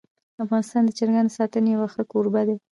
افغانستان د چرګانو د ساتنې یو ښه کوربه دی.